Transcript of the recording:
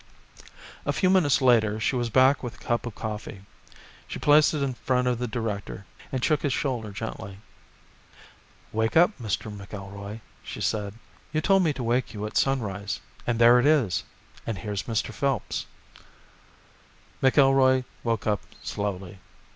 A few minutes later she was back with a cup of coffee. She placed it in front of the director, and shook his shoulder gently. "Wake up, Mr. McIlroy," she said, "you told me to wake you at sunrise, and there it is, and here's Mr. Phelps." McIlroy woke up slowly.